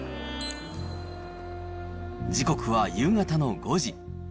時刻は夕方の５時。